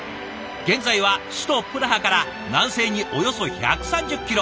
現在は首都プラハから南西におよそ１３０キロ。